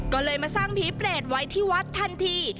ก็เลยมาสร้างผีเปรตไว้ที่วัดทันที